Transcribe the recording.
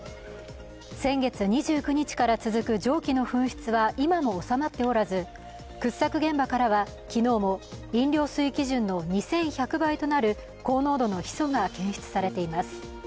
先月２９日から続く蒸気の噴出は今も収まっておらず掘削現場からは昨日も、飲料水基準の２１００倍となる高濃度のヒ素が検出されています。